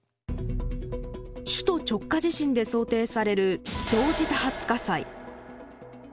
首都直下地震で想定される同時多発火災。